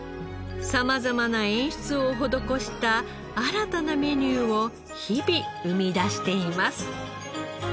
様々な演出を施した新たなメニューを日々生み出しています。